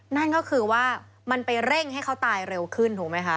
นั่นก็คือว่ามันไปเร่งให้เขาตายเร็วขึ้นถูกไหมคะ